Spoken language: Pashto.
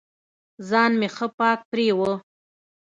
ځان مې ښه پاک پرېوه.